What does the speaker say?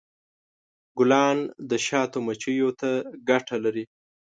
ګلان د شاتو مچیو ته ګټه لري.